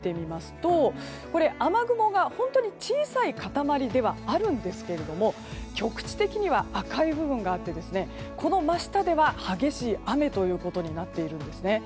次にレーダーの画面に切り替えて見てみますと雨雲が本当に小さい塊ではあるんですが局地的には赤い部分があってこの真下では激しい雨となっているんですね。